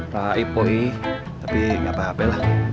tapi gak apa apa lah